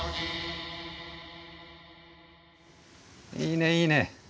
いいねいいね。